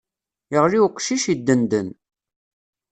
Iɣli uqcic, iddenden.